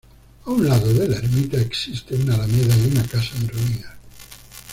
A un lado de la ermita existe una alameda y una casa en ruinas.